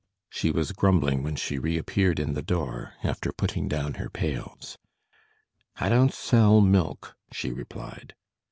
She was grumbling when she reappeared in the door, after putting down her pails. "I don't sell milk," she replied.